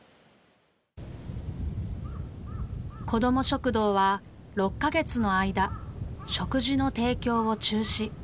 こども食堂は６カ月の間食事の提供を中止。